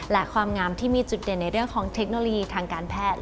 และความงามที่มีจุดเด่นในเรื่องของเทคโนโลยีทางการแพทย์